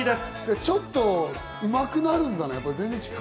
ちょっとうまくなるんだね。